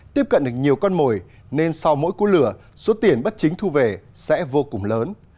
tiếp cận được nhiều con mồi nên sau mỗi cú lửa số tiền bất chính thu về sẽ vô cùng lớn